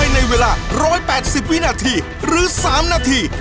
ในเวลา๑๘๐วินาทีหรือ๓นาที